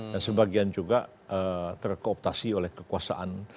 dan sebagian juga terkooptasi oleh kekuasaan